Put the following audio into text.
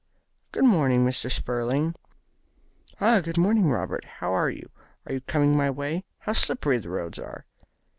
"Good morning, Mr. Spurling." "Ah, good morning, Robert. How are you? Are you coming my way? How slippery the roads are!"